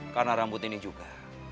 karena rambut ini juga